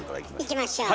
いきましょう。